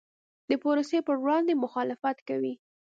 د پروسې پر وړاندې مخالفت کوي.